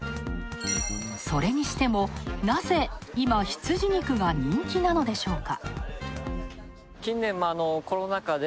それにしても、なぜ今、羊肉が人気なのでしょうか。